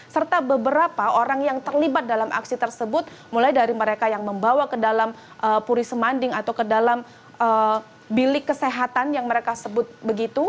serta beberapa orang yang terlibat dalam aksi tersebut mulai dari mereka yang membawa ke dalam puri semanding atau ke dalam bilik kesehatan yang mereka sebut begitu